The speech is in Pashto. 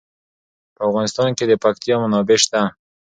په افغانستان کې د پکتیا منابع شته.